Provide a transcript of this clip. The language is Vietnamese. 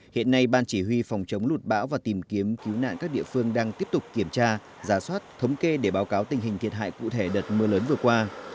hiện nay ban chỉ huy phòng chống lụt bão và tìm kiếm cứu nạn các địa phương đang tiếp tục kiểm tra giá soát thống kê để báo cáo tình hình thiệt hại cụ thể đợt mưa lớn vừa qua